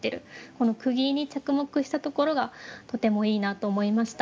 この釘に着目したところがとてもいいなと思いました。